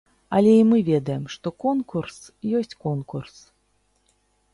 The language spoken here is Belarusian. Але і мы ведаем, што конкурс ёсць конкурс.